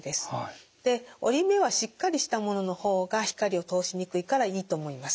で織り目はしっかりしたものの方が光を通しにくいからいいと思います。